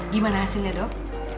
gimana hasilnya dok